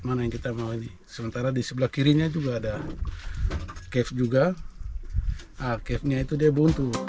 mana yang kita mau ini sementara di sebelah kirinya juga ada kek juga akhirnya itu debu